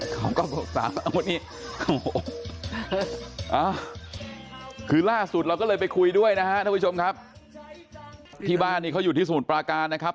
เมื่อกี้คือล่าสุดเราก็เลยไปคุยด้วยนะคุณผู้ชมครับที่บ้านเค้าอยู่ที่สมุทรปลาการนะครับ